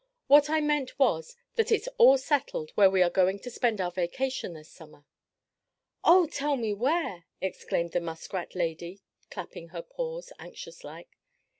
What I meant was that it's all settled where we are going to spend our vacation this Summer." "Oh, tell me where!" exclaimed the muskrat lady clapping her paws, anxious like.